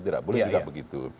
tidak boleh juga begitu